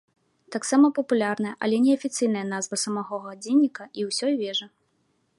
Таксама папулярная, але неафіцыйная назва самога гадзінніка і ўсёй вежы.